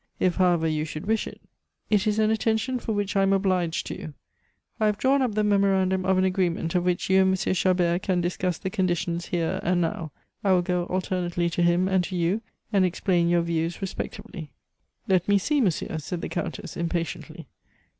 If, however, you should wish it " "It is an attention for which I am obliged to you." "I have drawn up the memorandum of an agreement of which you and M. Chabert can discuss the conditions, here, and now. I will go alternately to him and to you, and explain your views respectively." "Let me see, monsieur," said the Countess impatiently.